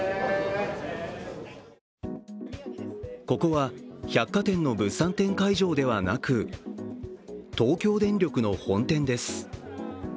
ここは、百貨店の物産展会場ではなく、東京電力の本店です。